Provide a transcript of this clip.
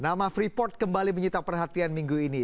nama freeport kembali menyita perhatian minggu ini